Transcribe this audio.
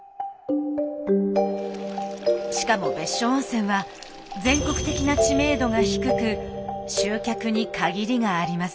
しかも別所温泉は全国的な知名度が低く集客に限りがあります。